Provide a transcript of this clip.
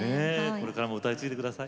これからも歌い継いでください。